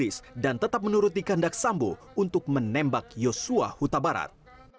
tidak digubris dan tetap menurut dikandak sambo untuk menembak yosua huta barat